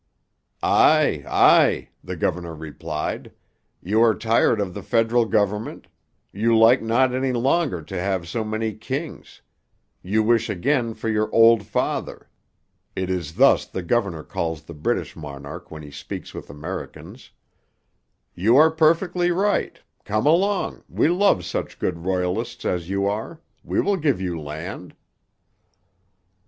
"Aye, aye," the governor replied, "you are tired of the federal government; you like not any longer to have so many kings; you wish again for your old father" (it is thus the governor calls the British monarch when he speaks with Americans); "you are perfectly right; come along, we love such good Royalists as you are; we will give you land."'